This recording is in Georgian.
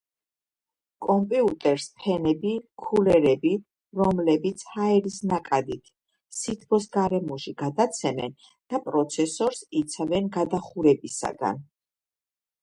კომპიუტერს ფენები ქულერები, რომლებიც ჰაერის ნაკადით სითბოს გარემოში გადაცემენ და პროცესორს იცავენ გადახურებისაგან